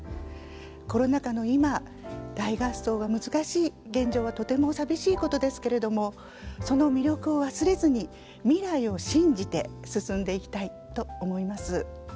コロナ禍の今大合奏が難しい現状はとても寂しいことですけれどもその魅力を忘れずに未来を信じて進んでいきたいと思います。